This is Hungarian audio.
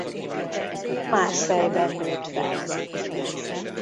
Marseille-ben nőtt fel.